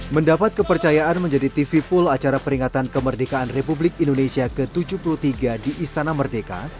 mendapat kepercayaan menjadi tv full acara peringatan kemerdekaan republik indonesia ke tujuh puluh tiga di istana merdeka